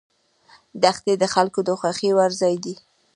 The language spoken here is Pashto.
دښتې د خلکو د خوښې وړ ځای دی.